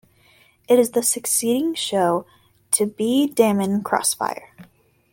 It is the succeeding show to B-Daman Crossfire.